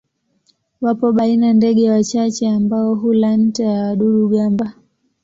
Wapo baina ndege wachache ambao hula nta ya wadudu-gamba.